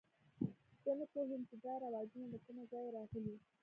زه نه پوهېږم چې دا رواجونه له کومه ځایه راغلي.